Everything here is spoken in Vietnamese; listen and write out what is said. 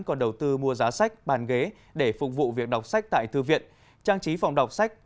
còn đầu tư mua giá sách bàn ghế để phục vụ việc đọc sách tại thư viện trang trí phòng đọc sách